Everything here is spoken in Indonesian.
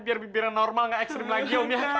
biar bibirnya normal nggak ekstrim lagi om ya